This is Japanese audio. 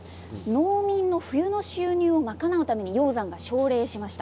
農民の冬の収入を賄うために鷹山が奨励しました。